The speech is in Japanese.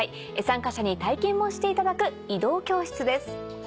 参加者に体験もしていただく移動教室です。